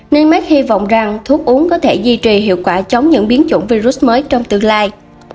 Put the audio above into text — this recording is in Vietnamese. nemed hy vọng rằng thuốc uống có thể duy trì hiệu quả chống những biến chủng virus mới trong tương lai